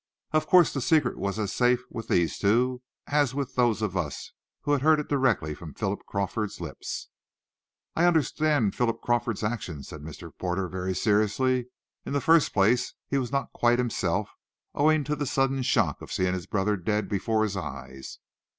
Of course the secret was as safe with these two, as with those of us who had heard it directly from Philip Crawford's lips. "I understand Philip Crawford's action," said Mr. Porter, very seriously. "In the first place he was not quite himself, owing to the sudden shock of seeing his brother dead before his eyes.